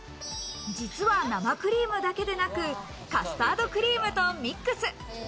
実は生クリームだけでなく、カスタードクリームとミックス。